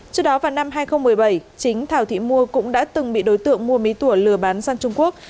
trước đó vào năm hai nghìn một mươi bảy chính thảo thị mua cũng đã từng bị đối tượng mua mí tủa lừa bán sang trung quốc